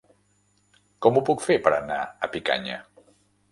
Com ho puc fer per anar a Picanya?